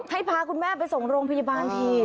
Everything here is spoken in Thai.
ให้พาคุณแม่ไปส่งโรงพยาบาลที